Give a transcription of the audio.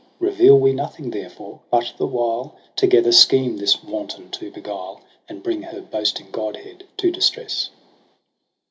Reveal we nothing therefore, but the while Together scheme this wanton to beguile. And bring her boasting godhead to distress.'